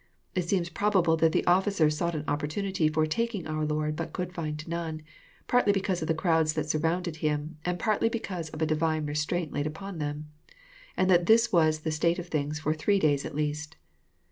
It seems probable that the officers sought an opportunity for taking our Lord, but could find none, — partly because of the crowds that surrounded Him, and partly because of a divine restraint laid upon them ; and that this was the state of things for three days at least.